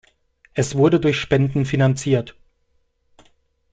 Es wurde durch Spenden finanziert.